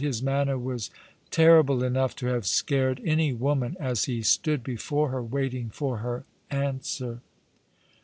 His manner was terrible enough to have scared any woman, as he stood before her, waiting for her answer.